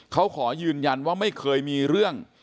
เขาขอยืนยันว่าไม่เคยมีเรื่อง